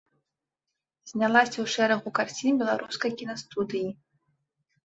Знялася ў шэрагу карцін беларускай кінастудыі.